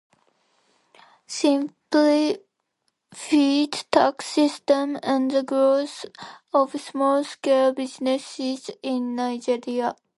Simplified tax system and the growth of small-scale businesses in Nigeria.